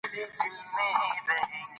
استاد بينوا د ځوانانو ذهني وده مهمه بلله.